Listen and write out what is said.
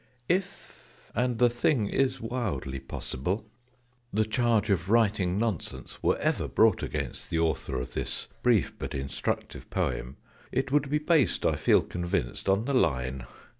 If and the thing is wildly possible the charge of writing nonsense were ever brought against the author of this brief but instructive poem, it would be based, I feel convinced, on the line (in p.